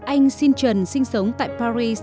anh sinh trần sinh sống tại paris